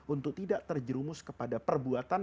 untuk tidak terjerumus kepada perbuatan